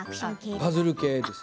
パズル系です。